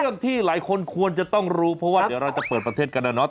ที่หลายคนควรจะต้องรู้เพราะว่าเดี๋ยวเราจะเปิดประเทศกันนะเนาะ